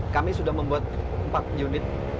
kami sudah membuat empat unit